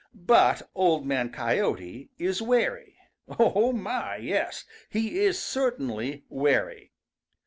But Old Man Coyote is wary. Oh, my, yes! He certainly is wary.